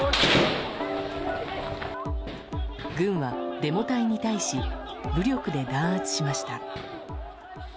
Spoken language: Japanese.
軍はデモ隊に対し武力で弾圧しました。